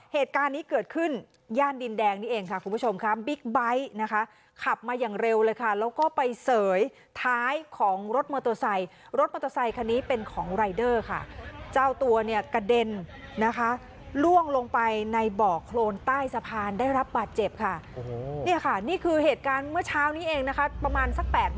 เฮตการณ์นี้เคยเกิดขึ้น